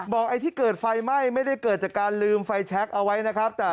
ไอ้ที่เกิดไฟไหม้ไม่ได้เกิดจากการลืมไฟแชคเอาไว้นะครับ